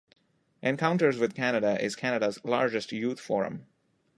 Encounters with Canada is Canada's largest youth forum.